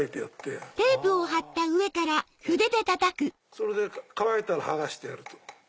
それで乾いたら剥がしてやると。